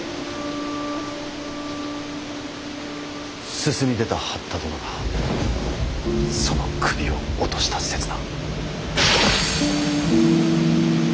進み出た八田殿がその首を落とした刹那。